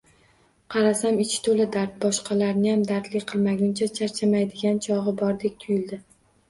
Qarasam, ichi to’la dard, boshqalarniyam dardli qilmaguncha charchamaydigan chog’i bordek tuyuldi